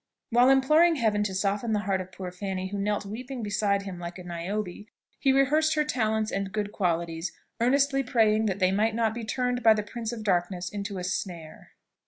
While imploring Heaven to soften the heart of poor Fanny, who knelt weeping beside him like a Niobe, he rehearsed her talents and good qualities, earnestly praying that they might not be turned by the Prince of Darkness into a snare.